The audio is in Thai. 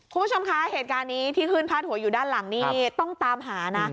คุณผู้ชมคะเหตุการณ์นี้ที่ขึ้นพาดหัวอยู่ด้านหลังนี่ต้องตามหานะ